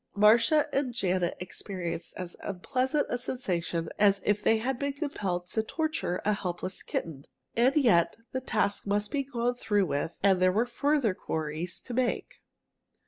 Marcia and Janet experienced as unpleasant a sensation as if they had been compelled to torture a helpless kitten. And yet the task must be gone through with and there were further queries to make.